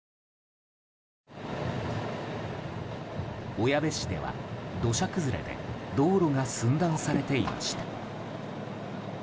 小矢部市では土砂崩れで道路が寸断されていました。